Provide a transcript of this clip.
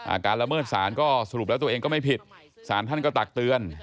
การละเมิดศาลก็สรุปแล้วตัวเองก็ไม่ผิดสารท่านก็ตักเตือน